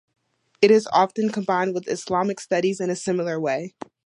It is often combined with Islamic studies in a similar way.